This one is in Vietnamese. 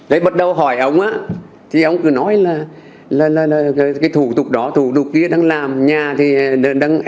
đấy bắt đầu hỏi ông á thì ông cứ nói là cái thủ tục đó thủ tục kia đang làm nhà thì